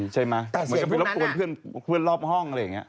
ใช่ไหมเหมือนกับไปรับปรุงเพื่อนรอบห้องอะไรอย่างนี้